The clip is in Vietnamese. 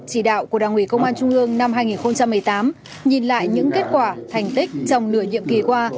chỉ đạo của đảng ủy công an trung ương năm hai nghìn một mươi tám nhìn lại những kết quả thành tích trong nửa nhiệm kỳ qua